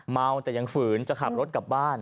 เมาแต่ยังฝืนจะขับรถกลับบ้าน